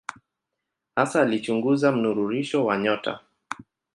Hasa alichunguza mnururisho wa nyota.